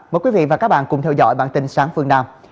mời quý vị và các bạn cùng theo dõi bản tin sáng phương nam